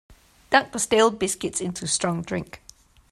Dunk the stale biscuits into strong drink.